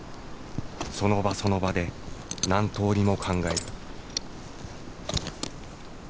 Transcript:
その場その場で何通りも考える。